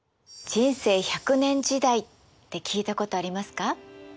人生１００年時代って聞いたことありますか？